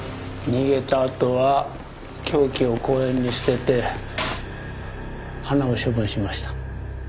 逃げたあとは凶器を公園に捨てて花を処分しました。